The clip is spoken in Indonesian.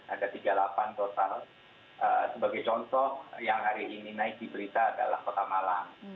ada tiga puluh delapan total sebagai contoh yang hari ini naik di berita adalah kota malang